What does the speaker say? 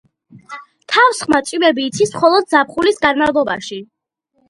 თავსხმა წვიმები იცის მხოლოდ ზაფხულის განმავლობაში.